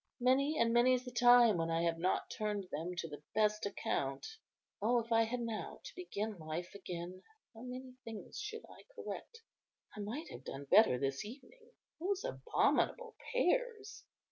Many and many's the time when I have not turned them to the best account. Oh, if I had now to begin life again, how many things should I correct! I might have done better this evening. Those abominable pears!